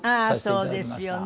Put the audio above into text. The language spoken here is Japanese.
そうですよね。